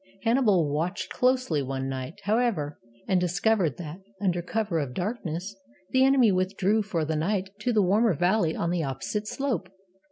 Hannibal watched closely one night, however, and discovered that, under cover of darkness, the enemy withdrew for the night to the warmer valley on the opposite slope.